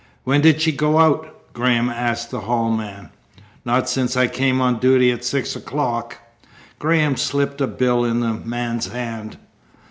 "When did she go out?" Graham asked the hall man. "Not since I came on duty at six o'clock." Graham slipped a bill in the man's hand.